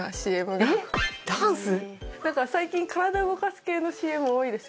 なんか最近体動かす系のＣＭ多いですよね。